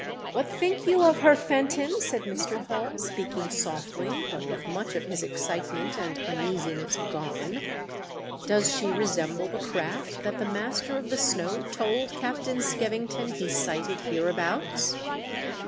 "What think you of her, Fenton ?" said Mr. Hall, speaking softly, but with much of his excitement and uneasiness gone. " Does she resemble the craft that the master of the snow told Captain Skevington he sighted hereabouts